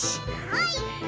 はい。